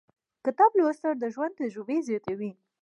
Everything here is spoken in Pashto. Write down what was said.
• کتاب لوستل، د ژوند تجربې زیاتوي.